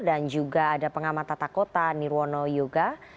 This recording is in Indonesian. dan juga ada pengamat tatakota nirwono yoga